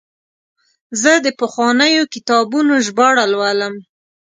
زه د پخوانیو کتابونو ژباړه لولم.